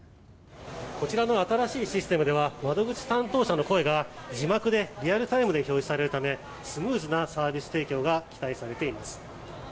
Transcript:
こちらの新しいシステムでは窓口担当者の声が字幕でリアルタイムで表示されるためスムーズなサービス提供が期待されています。